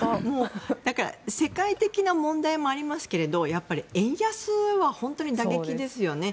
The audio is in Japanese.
だから世界的な問題もありますけれどやっぱり円安は本当に打撃ですよね。